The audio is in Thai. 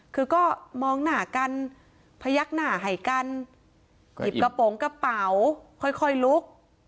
คือก็มองหน้ากันพยักหน้าให้กันหยิบกระโปรงกระเป๋าค่อยลุก